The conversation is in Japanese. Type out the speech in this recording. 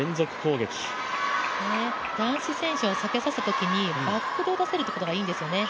男子選手を下げさせたときにバック側で打たせるのがいいんですね。